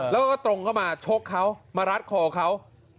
แล้วก็ตรงเข้ามาชกเขามารัดคอเขา